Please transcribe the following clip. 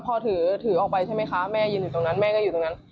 พอถือออกไปใช่ไหมคะแม่ยืนอยู่ตรงนั้นแม่ก็อยู่ตรงนั้น